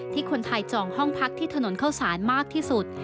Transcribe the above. ที่คนไทยจองห้องพักที่ถนนเข้าสารมากที่สุด